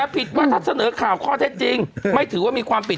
ผิดว่าถ้าเสนอข่าวข้อเท็จจริงไม่ถือว่ามีความผิด